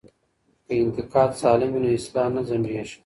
که انتقاد سالم وي نو اصلاح نه ځنډیږي.